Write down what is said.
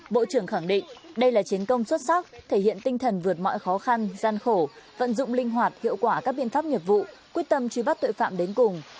bộ trưởng khẳng định đây là chiến công xuất sắc thể hiện tinh thần vượt mọi khó khăn gian khổ vận dụng linh hoạt hiệu quả các biện pháp nghiệp vụ quyết tâm truy bắt tội phạm đến cùng